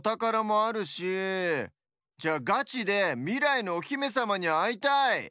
じゃあガチでみらいのおひめさまにあいたい。